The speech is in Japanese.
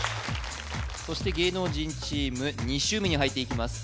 そして芸能人チーム２周目に入っていきます